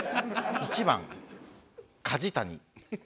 １番梶谷。